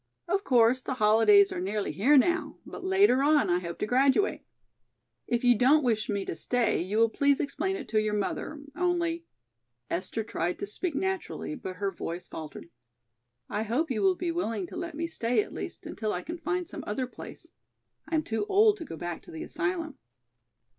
Of course the holidays are nearly here now, but later on I hope to graduate. If you don't wish me to stay you will please explain it to your mother, only " Esther tried to speak naturally, but her voice faltered, "I hope you will be willing to let me stay at least until I can find some other place. I am too old to go back to the asylum."